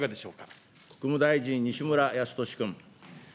国務大臣、西村康稔君。